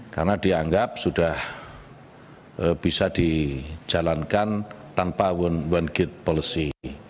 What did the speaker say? karena dianggap sudah bisa dijalankan tanpa one gate policy